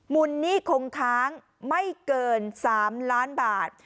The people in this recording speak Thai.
นหนี้คงค้างไม่เกิน๓ล้านบาท